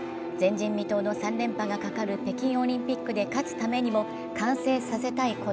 前人未到の３連覇がかかる北京オリンピックで勝つためにも完成させたい